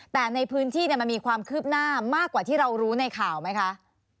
แต่ในพื้นที่มันมีความคืบหน้ามากกว่าที่เรารู้ในข่าวไหมคะ